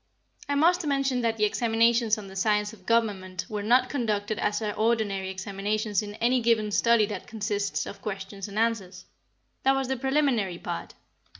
I must mention that the examinations on the science of government were not conducted as are ordinary examinations in any given study that consists of questions and answers. That was the preliminary part.